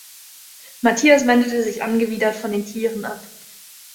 Matthias wendete sich angewidert von den Tieren ab.